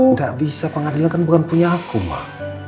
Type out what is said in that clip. nggak bisa pengadilan bukan punya aku mak